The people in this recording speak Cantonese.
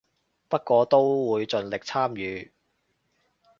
不過都會盡力參與